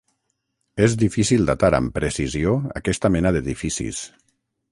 És difícil datar amb precisió aquesta mena d'edificis.